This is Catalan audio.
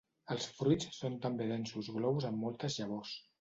Els fruits són també densos globus amb moltes llavors.